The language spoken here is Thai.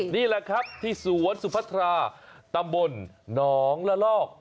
นี่แหละครับที่สวนสุพัทราตำบลหนองละลอก